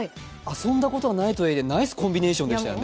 遊んだことはないとはいえナイスコンビネーションでしたね。